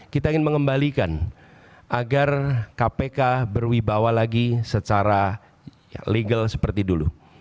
kita ingin mengembalikan agar kpk berwibawa lagi secara legal seperti dulu